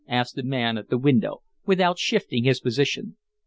asked the man at the window, without shifting his position.